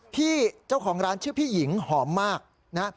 พี่เจ้าของร้านชื่อพี่หญิงหอมมากนะ